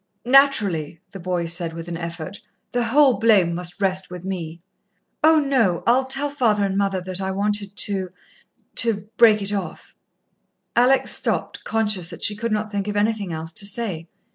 "Naturally," the boy said with an effort, "the whole blame must rest with me." "Oh, no, I'll tell father and mother that I wanted to to break it off." Alex stopped, conscious that she could not think of anything else to say.